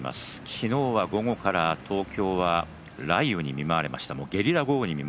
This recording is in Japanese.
昨日は午後から東京は雷雨に見舞われました。